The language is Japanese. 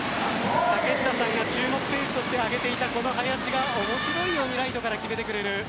竹下さんが注目選手として挙げていたこの林が面白いようにライトから決めてくれる。